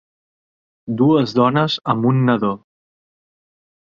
Dues dones amb un nadó